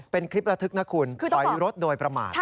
เป็นคลิประทึกนะคุณถอยรถโดยประมาท